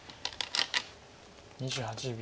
２８秒。